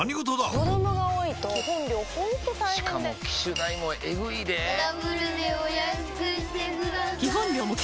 子供が多いと基本料ほんと大変でしかも機種代もエグいでぇダブルでお安くしてください